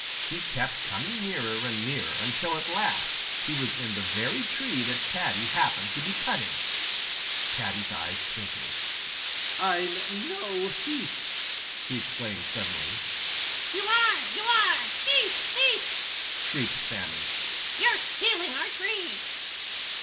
He kept coming nearer and nearer until at last he was in the very tree that Paddy happened to be cutting. Paddy's eyes twinkled. "I'm no thief!" he exclaimed suddenly. "You are! You are! Thief! Thief!" shrieked Sammy. "You're stealing our trees!"